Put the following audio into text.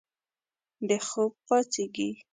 د خوب پاڅیږې